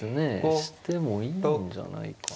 してもいいんじゃないかな。